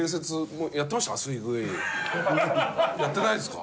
やってないですか？